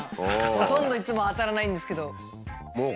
ほとんどいつも当たらないんですけど。